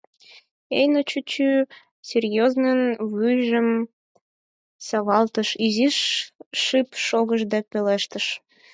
Эйно чӱчӱ серьёзнын вуйжым савалтыш, изиш шып шогыш да пелештыш: